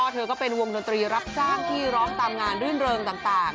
เธอก็เป็นวงดนตรีรับจ้างที่ร้องตามงานรื่นเริงต่าง